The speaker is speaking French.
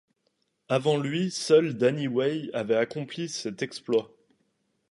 Avant lui, Seul Danny Way avait accompli cet exploit.